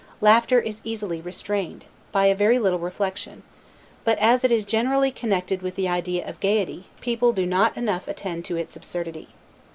Laughter is easily restrained, by a very little reflection; but as it is generally connected with the idea of gaiety, people do not enough attend to its absurdity.